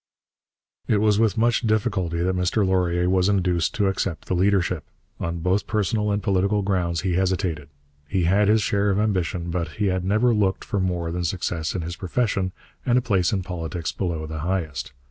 It was with much difficulty that Mr Laurier was induced to accept the leadership. On both personal and political grounds he hesitated. He had his share of ambition, but he had never looked for more than success in his profession and a place in politics below the highest.